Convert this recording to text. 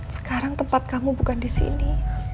sekarang tempat kamu bukan di sini